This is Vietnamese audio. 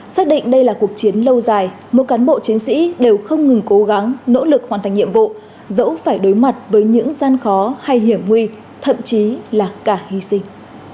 xác định đây là cuộc chiến lâu dài mỗi cán bộ chiến sĩ đều không ngừng cố gắng nỗ lực hoàn thành nhiệm vụ dẫu phải đối mặt với những gian khó hay hiểm nguy thậm chí là cả hy sinh